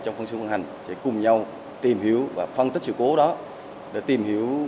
trong phân xuyên vận hành sẽ cùng nhau tìm hiểu và phân tích sự cố đó để tìm hiểu